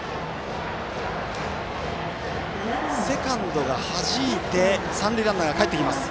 セカンドがはじいて三塁ランナーがかえってきます。